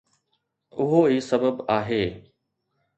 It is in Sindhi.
اهو ئي سبب آهي